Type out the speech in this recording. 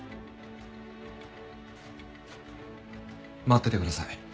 待っててください。